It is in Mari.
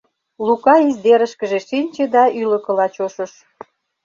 Лука издерышкыже шинче да ӱлыкыла чошыш.